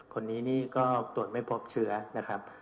คนนี้นี่ก็ตรวจไม่พบเชื้อนะครับ